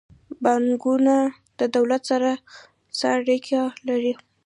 بانکونه د دولت سره څه اړیکه لري؟